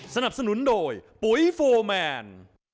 สนับสนุนโดยปุ๋ยโฟร์แมน